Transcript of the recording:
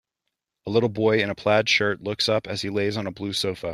A little boy in a plaid shirt looks up as he lays on a blue sofa